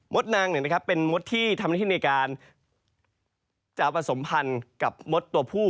มสนางในการจับประสมพันธ์กับมสตัวผู้